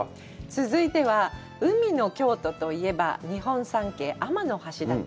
続いては、海の京都といえば、日本三景、天橋立。